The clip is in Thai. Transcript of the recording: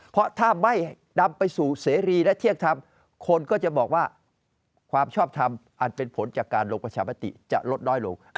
เพราะถ้าไม่นำไปสู่เสรีและเที่ยงธรรมคนก็จะบอกว่าความชอบทำอันเป็นผลจากการลงประชามติจะลดน้อยลง